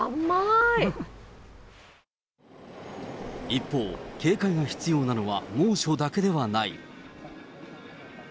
一方、警戒が必要なのは猛暑だけではない。